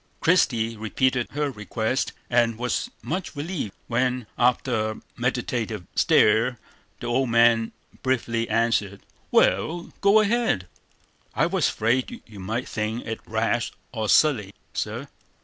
Christie repeated her request, and was much relieved, when, after a meditative stare, the old man briefly answered: "Wal, go ahead." "I was afraid you might think it rash or silly, sir."